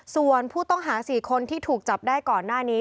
ส่วนผู้ต้องหา๔คนที่ถูกจับได้ก่อนหน้านี้